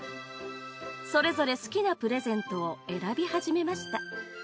それぞれ好きなプレゼントを選びはじめました